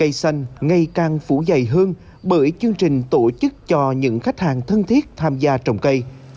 cây xanh ngày càng phủ dày hơn bởi chương trình tổ chức cho những khách hàng thân thiết tham gia trồng cây